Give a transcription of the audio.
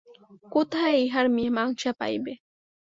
কোথায় ইহার মীমাংসা পাইবে?